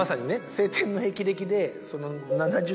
『青天の霹靂』で。